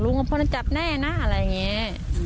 ลุงพ่อจะจับแน่นะอะไรอย่างเงี้ย